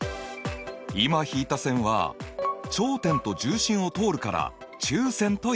今引いた線は頂点と重心を通るから中線といえる。